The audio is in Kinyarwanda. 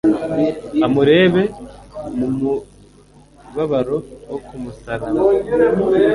Amurebe mu mubabaro wo ku musaraba